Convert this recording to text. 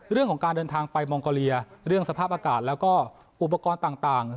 เรื่องของการเดินทางไปมองโกเลียเรื่องสภาพอากาศแล้วก็อุปกรณ์ต่าง